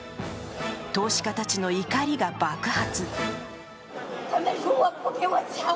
投資家たちの怒りが爆発。